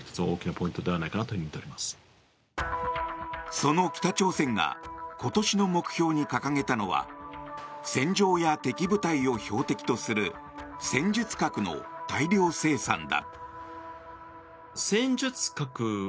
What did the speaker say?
その北朝鮮が今年の目標に掲げたのは戦場や敵部隊を標的とする戦術核の大量生産だ。